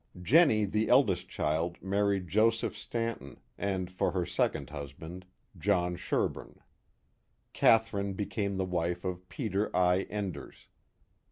Jennie, the eldest child, married Joseph Stanton, and for her second husband, John Sherburne. Catharine became the wife of Peter I. Enders.